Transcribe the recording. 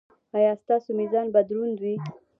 ایا ستاسو میزان به دروند وي؟